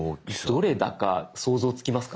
どれだか想像つきますか？